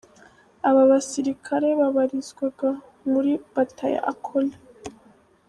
Aba basirikare babarizwaga muri bataya Acoli.